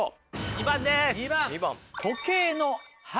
２番です。